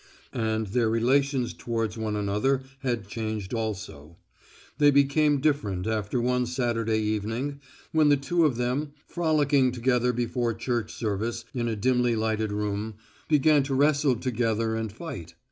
And their relations towards one another had changed also. They became different after one Saturday evening when the two of them, frolicking together before church service in a dimly lighted room, began to wrestle together and fight.